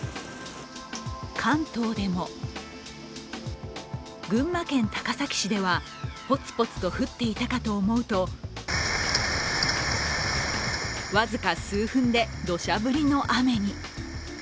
関東でも群馬県高崎市ではポツポツと降っていたかと思うと僅か数分でどしゃ降りの雨に。